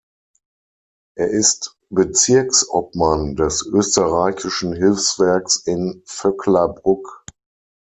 Er ist Bezirks-Obmann des Österreichischen Hilfswerks in Vöcklabruck.